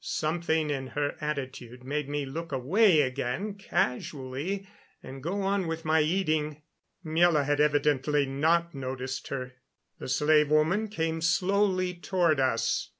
Something in her attitude made me look away again casually and go on with my eating. Miela had evidently not noticed her. The slave woman came slowly toward us.